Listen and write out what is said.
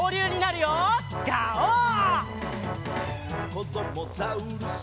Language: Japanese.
「こどもザウルス